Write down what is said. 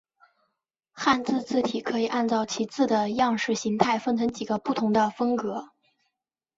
汉字字体可以按照其字的样式形态分成几个不同的风格。